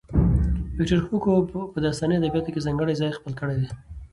ويکټور هوګو په داستاني ادبياتو کې ځانګړی ځای خپل کړی دی.